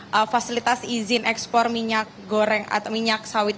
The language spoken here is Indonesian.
soal fasilitas izin ekspor minyak goreng atau minyak sawit